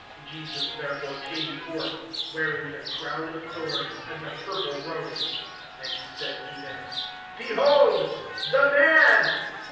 (5)Jesus therefore came forth, wearing the crown of thorns, and the purple robe. And he says to them: Behold the man!